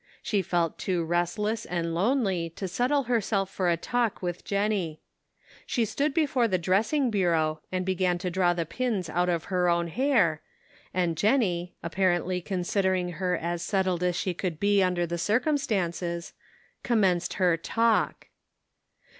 She felt too restless and lonely to settle herself for a talk with Jen nie. She stood before the dressing bureau and began to draw the pins out of her own hair, and Jennie, apparently considering her as set tled as she could be under the circumstances, commenced her "talk."